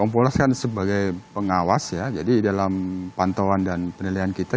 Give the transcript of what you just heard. kompolnas kan sebagai pengawas ya jadi dalam pantauan dan penilaian kita